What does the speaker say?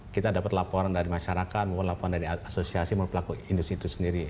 kita dapat laporan dari masyarakat maupun laporan dari asosiasi maupun pelaku industri itu sendiri